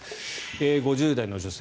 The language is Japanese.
５０代の女性。